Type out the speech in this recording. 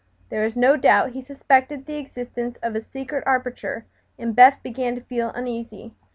There was no doubt he suspected the existence of a secret aperture, and Beth began to feel uneasy.